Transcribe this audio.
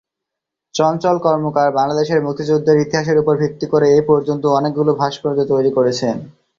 চঞ্চল কর্মকার বাংলাদেশের মুক্তিযুদ্ধের ইতিহাসের উপর ভিত্তি করে এই পর্যন্ত অনেকগুলো ভাস্কর্য তৈরি করেছেন।